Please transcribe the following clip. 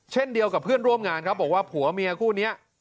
เช่นเดียวกับเพื่อนร่วมงานครับบอกว่าผัวเมียคู่นี้